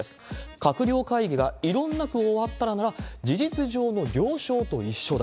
閣僚会議が異論なく終わったなら、事実上の了承と一緒だ。